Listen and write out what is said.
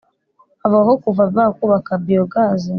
avuga ko kuva bakubaka biyogazi